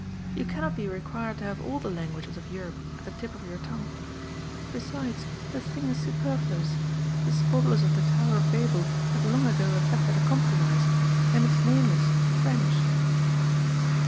You cannot be required to have all the languages of Europe at the tip of your tongue. Besides, the thing is superfluous. The squabblers of the tower of Babel have long ago effected a compromise, and its name is ^ French.'